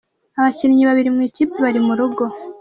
Abakinnyi babiri mu ikipe bari mu rugo